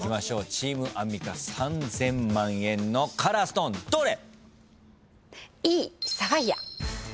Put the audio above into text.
チームアンミカ３，０００万円のカラーストーンどれ？